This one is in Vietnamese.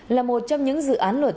là một trong những dự án luật